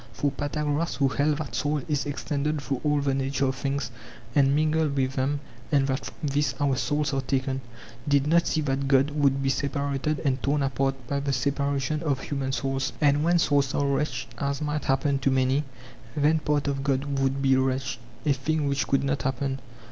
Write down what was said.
533. For Pythagoras, who held that soul is extended through all the nature of things and mingled with them, and that from this our souls are taken, did not see that god would be separated and torn apart by the separation of human souls; and when souls are wretched, as might happen to many, then part of god would be wretched ; a thing which could not happen.